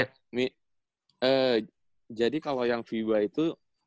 kalo ee jadi kalo yang vibua itu